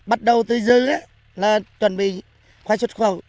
bắt đầu từ giờ là chuẩn bị khoai xuất khẩu